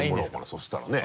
そしたらね。